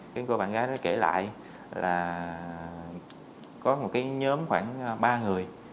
cái cô bạn gái đó kể lại là có một cái nhóm khoảng ba người